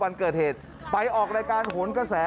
วันเกิดเหตุไปออกรายการโหนกระแส